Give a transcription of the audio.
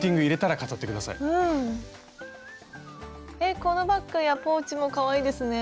このバッグやポーチもかわいいですね。